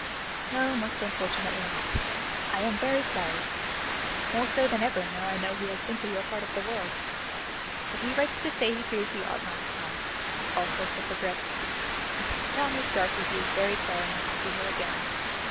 "No, most unfortunately not. I am very sorry, more so than ever now I know he has been to your part of the world. But he writes to say he fears he ought not to come all sorts of regrets, and to tell Miss Darcy he is very sorry not to see her again.